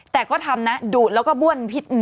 แต่ก็ทำนะดูดแล้วก็บ้วนพิษ